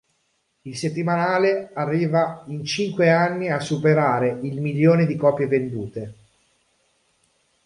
Il settimanale arriva in cinque anni a superare il milione di copie vendute.